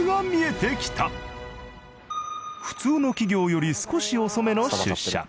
普通の企業より少し遅めの出社。